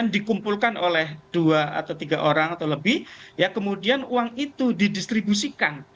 dikumpulkan oleh dua atau tiga orang atau lebih ya kemudian uang itu didistribusikan